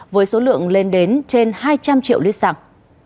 với số lượng lên đến trên hai trăm linh triệu lít xăng